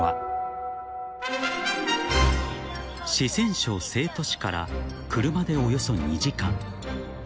［四川省成都市から車でおよそ２時間］